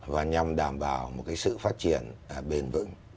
và nhằm đảm bảo một sự phát triển bền vững